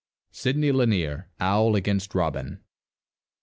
—Sidney Lanier, "Owl Against Robin."